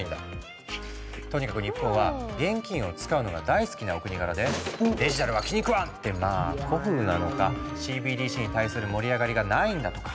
とにかく日本は現金を使うのが大好きなお国柄で「デジタルは気に食わん！」ってまあ古風なのかＣＢＤＣに対する盛り上がりがないんだとか。